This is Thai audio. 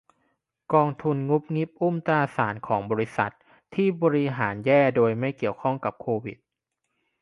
กองทุนงุบงิบอุ้มตราสารของบริษัทที่บริหารแย่โดยไม่เกี่ยวกับโควิด